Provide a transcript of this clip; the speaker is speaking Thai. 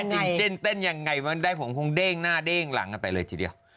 ด้ี่เง่นเต้นยังไงมันมันได้ผมคงเด้งหน้าเด้งหลังไปเลยทีเดียว